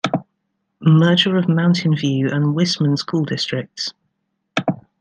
Merger of Mountain View and Whisman School Districts.